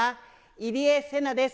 入江聖奈です。